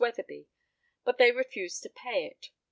Weatherby, but they refused to pay it.